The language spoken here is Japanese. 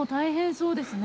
そうですね。